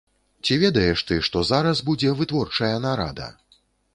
Ці ведаеш ты, што зараз будзе вытворчая нарада?